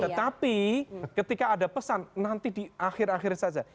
tetapi ketika ada pesan nanti di akhir akhir saja